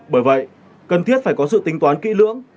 bởi vậy cần thiết phải có sự tính toán kỹ lưỡng